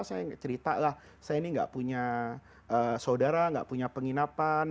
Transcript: saya cerita lah saya ini nggak punya saudara nggak punya penginapan